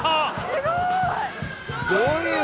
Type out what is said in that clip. すごい！